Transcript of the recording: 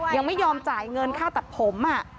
ยังไม่ยอมจ่ายเงินค่าตัดผม